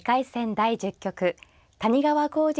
第１０局谷川浩司